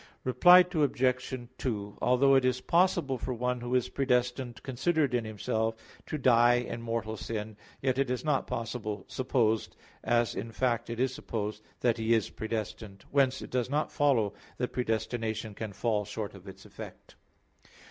Reply Obj. 2: Although it is possible for one who is predestinated considered in himself to die in mortal sin; yet it is not possible, supposed, as in fact it is supposed. that he is predestinated. Whence it does not follow that predestination can fall short of its effect.